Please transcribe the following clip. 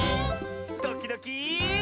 ドキドキ。